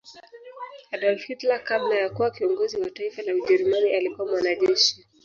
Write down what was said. Adolf Hilter kabla ya kuwa kiongozi Wa Taifa la ujerumani alikuwa mwanajeshi